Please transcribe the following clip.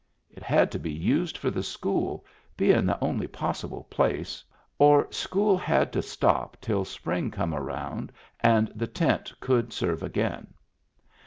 It had to be used for the school, bein' the only possible place, or school had to stop till spring come round and the tent could serve again.